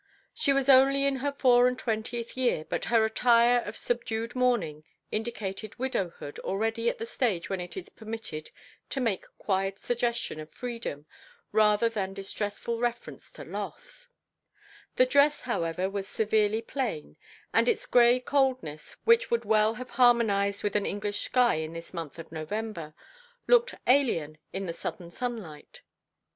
She was only in her four and twentieth year, but her attire of subdued mourning indicated widowhood already at the stage when it is permitted to make quiet suggestion of freedom rather than distressful reference to loss; the dress, however, was severely plain, and its grey coldness, which would well have harmonized with an English sky in this month of November, looked alien in the southern sunlight.